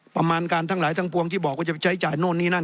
ประมาณการทั้งหลายทั้งปวงที่บอกว่าจะไปใช้จ่ายโน่นนี่นั่น